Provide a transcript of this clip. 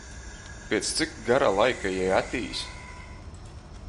Piec cik gara laika jei atīs?